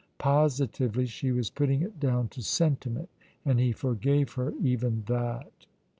Positively, she was putting it down to sentiment, and he forgave her even that.